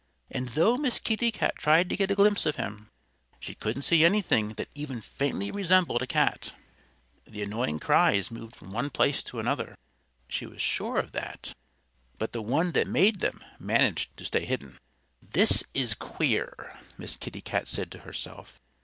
And though Miss Kitty Cat tried to get a glimpse of him, she couldn't see anything that even faintly resembled a cat. The annoying cries moved from one place to another. She was sure of that. But the one that made them managed to stay hidden. "This is queer!" Miss Kitty Cat said to herself.